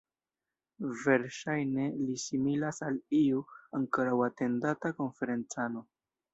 Verŝajne li similas al iu ankoraŭ atendata konferencano.